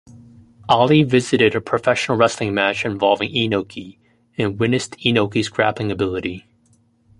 Ali visited a professional wrestling match involving Inoki and witnessed Inoki's grappling ability.